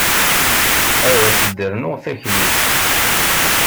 Ad as-d-rnuɣ taklit.